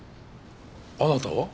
あなたは？